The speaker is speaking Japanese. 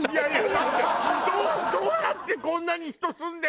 だってどうやってこんなに人住んで。